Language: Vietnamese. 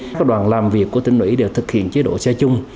các đoàn làm việc của tỉnh ủy đều thực hiện chế độ xe chung